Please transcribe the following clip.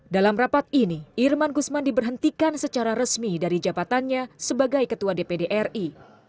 dalam rapat ini irman gusman diberhentikan secara resmi dari jabatannya sebagai ketua dpd ri